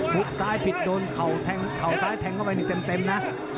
ปุ๊บซ้ายผิดโดนเข่าซ้ายแทงเข้าไปเต็มนะ